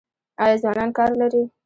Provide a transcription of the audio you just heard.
آیا ځوانان کار لري؟